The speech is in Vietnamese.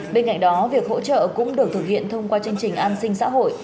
bên cạnh đó việc hỗ trợ cũng được thực hiện thông qua chương trình an sinh xã hội